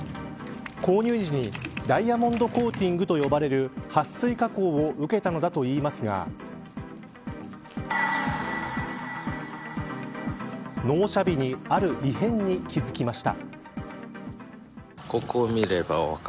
購入時にダイヤモンドコーティングと呼ばれるはっ水加工を受けたのだといいますが納車日にある異変に気付きました。